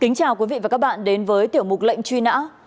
kính chào quý vị và các bạn đến với tiểu mục lệnh truy nã